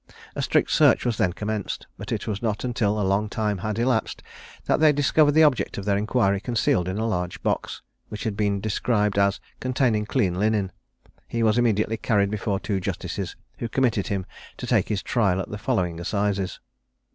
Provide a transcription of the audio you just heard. A strict search was then commenced; but it was not until a long time had elapsed that they discovered the object of their inquiry concealed in a large box, which had been described as containing clean linen. He was immediately carried before two justices, who committed him to take his trial at the following assizes.